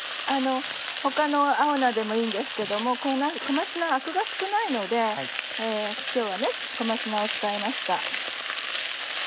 他の青菜でもいいんですけども小松菜はアクが少ないので今日は小松菜を使いました。